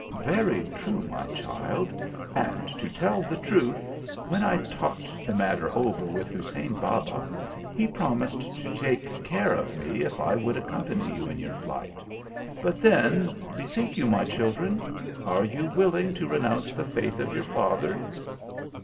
"" Very true, my child, and to tell the truth, when I talked the matter over with Hussein Baba, he prom ised to take care of me if I would accompany you in your flight : but then, bethink you, my children ; are you willing to renounce the faith of your father?"